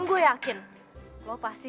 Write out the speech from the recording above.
kayak gitu sih